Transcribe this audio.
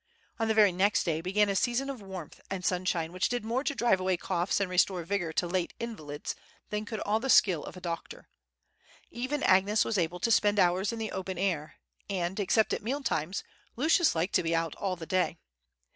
On the very next day began a season of warmth and sunshine, which did more to drive away coughs and restore vigor to late invalids than could all the skill of the doctor. Even Agnes was able to spend hours in the open air; and, except at mealtimes, Lucius liked to be out all the day.